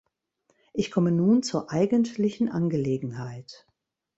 Ich komme nun zur eigentlichen Angelegenheit.